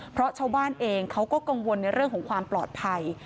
เพราะชาวบ้านเองเขาก็กังวลในเรื่องของความปลอดภัย